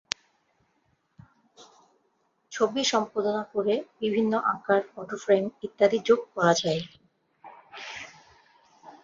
ছবি সম্পাদনা করে বিভিন্ন আকার, ফটো ফ্রেম ইত্যাদি যোগ করা যায়।